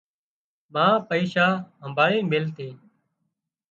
ما پئيشا همڀاۯينَ ميليتي